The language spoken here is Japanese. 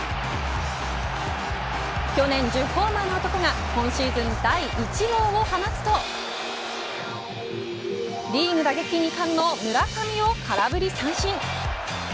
去年１０ホーマーの男が今シーズン第１号を放つとリーグ打撃二冠の村上を空振り三振。